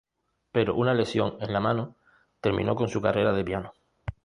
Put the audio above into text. Pero una lesión en la mano, terminó con su carrera de piano.